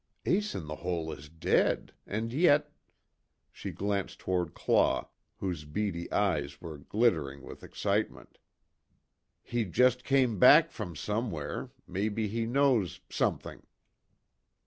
Ace In The Hole is dead. And, yet " she glanced toward Claw whose beady eyes were glittering with excitement. "He just came back from somewhere maybe he knows something."